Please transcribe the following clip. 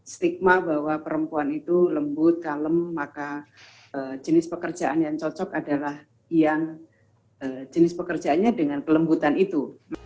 stigma bahwa perempuan itu lembut kalem maka jenis pekerjaan yang cocok adalah yang jenis pekerjaannya dengan kelembutan itu